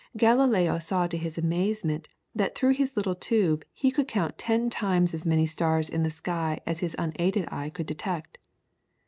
Galileo saw to his amazement that through his little tube he could count ten times as many stars in the sky as his unaided eye could detect.